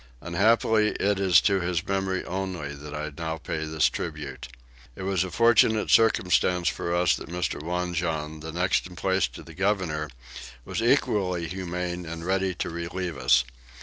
Unhappily it is to his memory only that I now pay this tribute. It was a fortunate circumstance for us that Mr. Wanjon, the next in place to the governor, was equally humane and ready to relieve us.